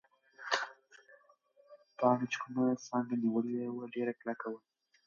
پاڼې چې کومه څانګه نیولې وه، ډېره کلکه وه.